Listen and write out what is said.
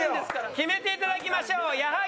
決めていただきましょう矢作舎。